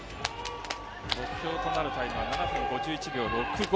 目標となるタイムは７分５１秒６５。